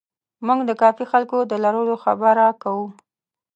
موږ د کافي خلکو د لرلو خبره کوو.